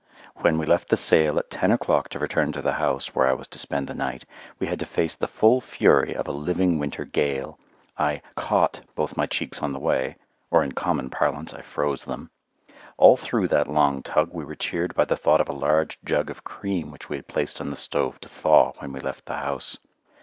When we left the sale at ten o'clock to return to the house where I was to spend the night, we had to face the full fury of a living winter gale. I "caught" both my cheeks on the way, or in common parlance I froze them. All through that long tug we were cheered by the thought of a large jug of cream which we had placed on the stove to thaw when we left the house.